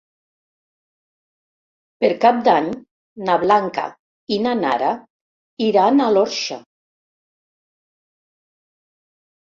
Per Cap d'Any na Blanca i na Nara iran a l'Orxa.